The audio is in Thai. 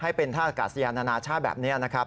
ให้เป็นท่ากาศยานานาชาติแบบนี้นะครับ